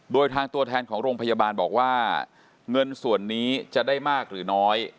โดยทางตัวแทนของโรงพยาบาลบอกว่าเงินส่วนนี้จะได้มากหรือน้อย